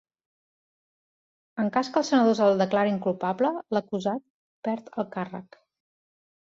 En cas que els senadors el declarin culpable, l’acusat perd el càrrec.